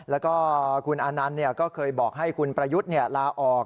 แล้วก็คุณอานันต์ก็เคยบอกให้คุณประยุทธ์ลาออก